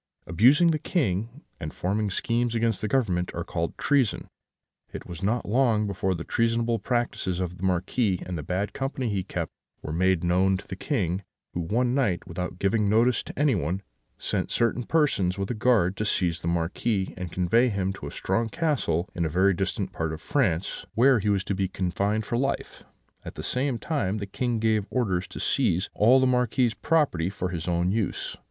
"Abusing the King, and forming schemes against the Government, are called treason. It was not long before the treasonable practices of the Marquis, and the bad company he kept, were made known to the King, who, one night, without giving notice to anyone, sent certain persons with a guard to seize the Marquis, and convey him to a strong castle in a very distant part of France, where he was to be confined for life; at the same time the King gave orders to seize all the Marquis's property for his own use.